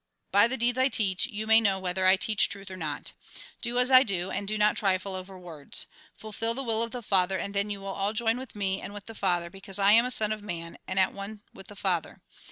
By the deeds I teach you may know whether I teach truth or not. Do as I do, and do not trifle over words. Fulfil the will of the Father, and then you will all join with me and with the Father, because I am a Son of Man, and at one with the Father.